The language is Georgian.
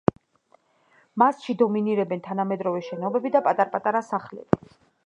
მასში დომინირებენ თანამედროვე შენობები და პატარ-პატარა სახლები.